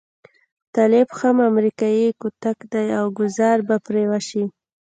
طالب هم امريکايي کوتک دی او ګوزار به پرې وشي.